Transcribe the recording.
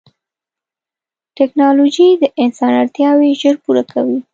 ټکنالوجي د انسان اړتیاوې ژر پوره کوي.